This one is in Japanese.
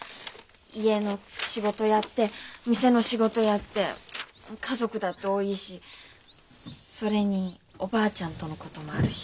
家の仕事やって店の仕事やって家族だって多いしそれにおばあちゃんとのこともあるし。